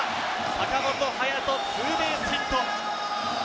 坂本勇人、ツーベースヒット。